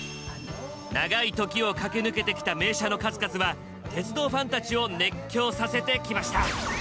長い時を駆け抜けてきた名車の数々は鉄道ファンたちを熱狂させてきました。